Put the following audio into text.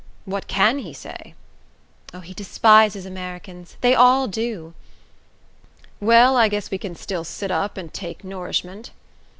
"What CAN he say?" "Oh, he despises Americans they all do." "Well, I guess we can still sit up and take nourishment."